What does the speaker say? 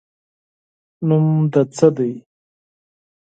نوم دې څه ده؟